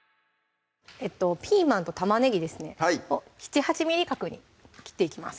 ピーマンと玉ねぎですねを７８ｍｍ角に切っていきます